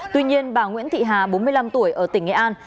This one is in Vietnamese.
tuy nhiên bà nguyễn thị hà bốn mươi năm tuổi ở tỉnh nghệ an